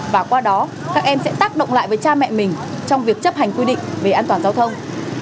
và qua đó các em sẽ tác động lại với cha mẹ mình trong việc chấp hành quy định về an toàn giao thông